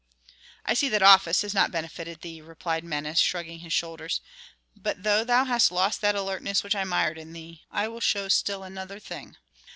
"I see that office has not benefited thee," replied Menes, shrugging his shoulders. "But though thou hast lost that alertness which I admired in thee, I will show still another thing.